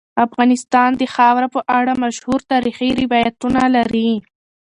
افغانستان د خاوره په اړه مشهور تاریخی روایتونه لري.